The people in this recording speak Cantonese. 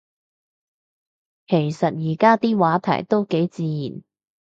其實而家啲話題都幾自然